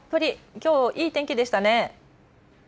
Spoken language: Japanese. きょう、いい天気でしたね。